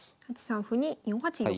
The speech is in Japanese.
８三歩に４八玉。